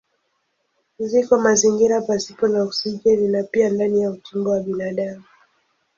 Ziko mazingira pasipo na oksijeni na pia ndani ya utumbo wa binadamu.